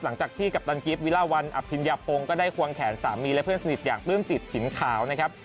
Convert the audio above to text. หลังจากที่กัปตันกิฟวิลาวันอภิญญาพงศ์ก็ได้ควงแขนสามีและเพื่อนสนิทอย่างปลื้มจิตถิ่นขาวนะครับ